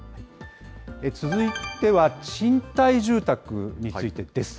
続いては、賃貸住宅についてです。